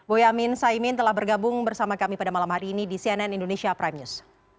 boyamin saimin telah bergabung bersama kami pada malam hari ini di cnn indonesia prime news